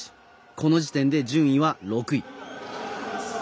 この時点で順位は６位。